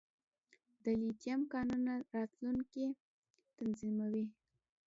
د لیتیم کانونه راتلونکی تضمینوي